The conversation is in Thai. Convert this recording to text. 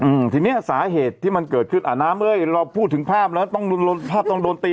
อืมทีเนี้ยสาเหตุที่มันเกิดขึ้นอะน้ำเอ้ยพูดถึงภาพแล้วฟาพต้องโดนตี